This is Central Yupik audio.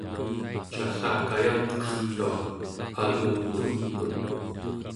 callakayangqertua alungutemkun